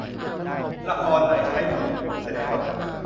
ละครใน ใช้ผู้หญิงเป็นผู้แสดงเท่านั้น